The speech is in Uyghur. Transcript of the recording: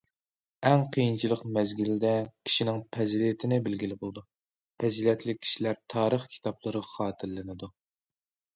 « ئەڭ قىيىنچىلىق مەزگىلىدە كىشىنىڭ پەزىلىتىنى بىلگىلى بولىدۇ، پەزىلەتلىك كىشىلەر تارىخ كىتابلىرىغا خاتىرىلىنىدۇ».